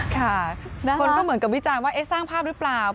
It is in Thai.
ค่ะคนก็เหมือนกับวิจารณ์ว่าสร้างภาพหรือเปล่า